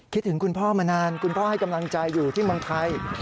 ถึงคุณพ่อมานานคุณพ่อให้กำลังใจอยู่ที่เมืองไทย